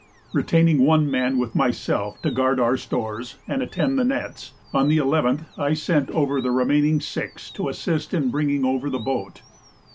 Retaining one man with myself to guard our stores and attend the nets, on the 11th I sent over the remaining six to assist in bringing over the boat.